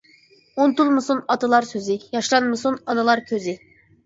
ئۇنتۇلمىسۇن ئاتىلار سۆزى، ياشلانمىسۇن ئانىلار كۆزى.